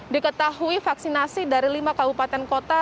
diketahui vaksinasi dari lima kabupaten kota